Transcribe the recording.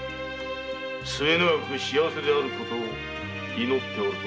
末長く幸せであること祈っておるぞ。